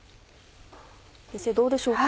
先生どうでしょうか？